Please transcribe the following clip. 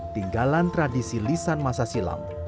tinggalan tradisi lisan masa silam